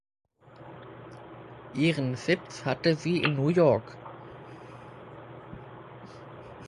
Ihren Sitz hatte sie in New York.